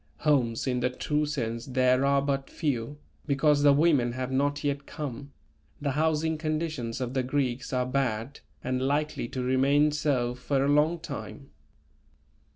Homes in the true sense there are but few, because the women have not yet come; the housing conditions of the Greeks are bad and likely to remain so for a long time.